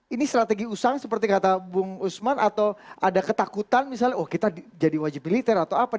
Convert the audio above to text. ini strategi usang seperti kata bung usman atau ada ketakutan misalnya oh kita jadi wajib militer atau apa